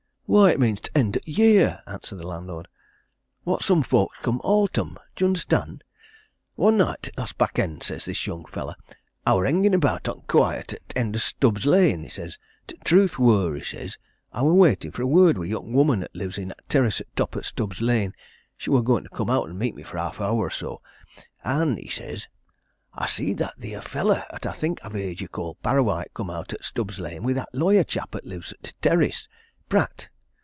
"Why, it means t' end o' t' year!" answered the landlord. "What some folks call autumn, d'ye understand? 'One night t' last back end,' says this young fellow, 'I wor hengin' about on t' quiet at t' end o' Stubbs' Lane,' he says: 'T' truth wor,' he says, 'I wor waitin' for a word wi' a young woman 'at lives i' that terrace at t' top o' Stubbs' Lane she wor goin' to come out and meet me for half an hour or so. An,' he says, 'I see'd that theer feller 'at I think I've heerd you call Parrawhite, come out o' Stubbs' Lane wi' that lawyer chap 'at lives i' t' Terrace Pratt.